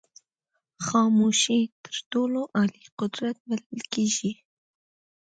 خاموشي تر ټولو عالي قدرت بلل کېږي.